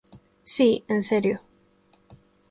Si, en serio.